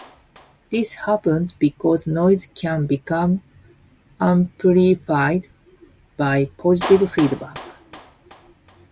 This happens because noise can become amplified by positive feedback.